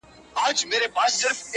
بيا به يې خپه اشـــــــــــــنا~